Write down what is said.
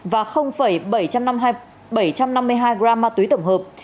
và bảy trăm năm mươi hai gram ma túy tổng hợp